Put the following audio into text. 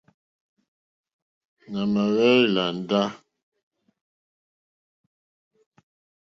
Nà mà hwé yāndá.